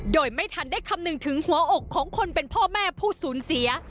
โดยไม่ทันได้คำนึงถึงหัวอกของคนเป็นพ่อแม่ผู้สูญเสีย